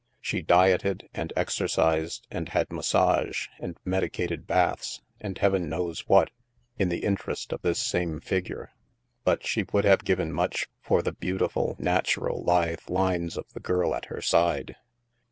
She dieted, and exer cised, and had massage, and medicated baths, and heaven knows what, in the interest of this same figure. But she would have given much for the beautiful, natural, lithe lines of the girl at her side.